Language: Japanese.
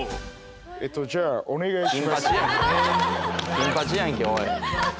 金八やんけおい。